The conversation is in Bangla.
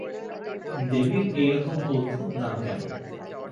দেবীর এইরকম অদ্ভুত নাম কেন?